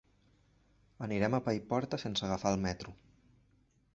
Anirem a Paiporta sense agafar el metro.